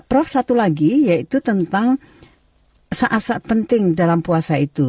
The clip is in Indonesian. prof satu lagi yaitu tentang saat saat penting dalam puasa itu